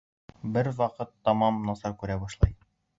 Бер ваҡыт тамам насар күрә башлай.